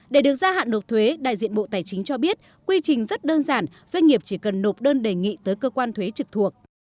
để được gia hạn nộp thuế đại diện bộ tài chính cho biết quy trình rất đơn giản doanh nghiệp chỉ cần nộp đơn đề nghị tới cơ quan thuế trực thuộc